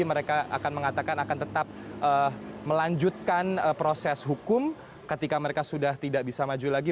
mereka akan mengatakan akan tetap melanjutkan proses hukum ketika mereka sudah tidak bisa maju lagi